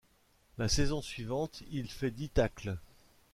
La saison suivante, il fait dix tacles.